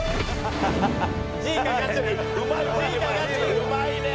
「うまいね！」